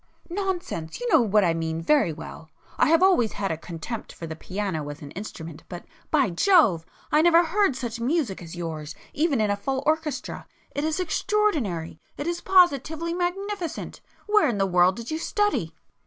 "Nonsense! you know what I mean very well. I have always had a contempt for the piano as an instrument, but by Jove! I never heard such music as yours even in a full orchestra. It is extraordinary!—it is positively magnificent! Where in the world did you study?"